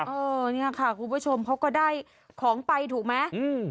เออเนี่ยค่ะคุณผู้ชมเขาก็ได้ของไปถูกไหมอืม